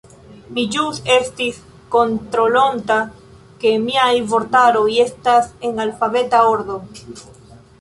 Mi ĵus estis kontrolonta ke miaj vortaroj estas en alfabeta ordo.